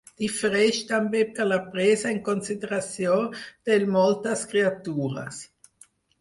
Difereix també per la presa en consideració del moltes criatures.